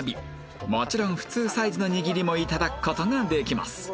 もちろん普通サイズの握りも頂く事ができます